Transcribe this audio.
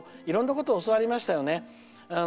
いろんなことを教わりましたよね。